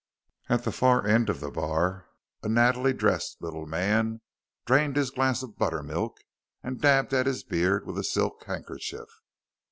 At the far end of the bar a nattily dressed little man drained his glass of buttermilk and dabbed at his beard with a silk handkerchief.